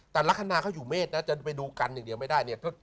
แต่ลักษณะเขาอยู่เมฆนะจะไปดูกันอย่างเดียวไม่ได้เนี่ย